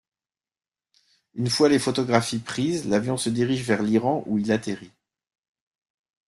Une fois les photographies prises, l'avion se dirige vers l'Iran où il atterrit.